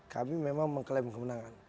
kami memang mengklaim kemenangan